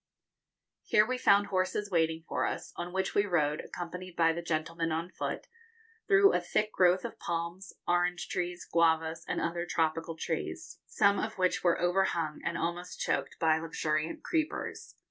Here we found horses waiting for us, on which we rode, accompanied by the gentlemen on foot, through a thick growth of palms, orange trees, guavas, and other tropical trees, some of which were overhung and almost choked by luxuriant creepers.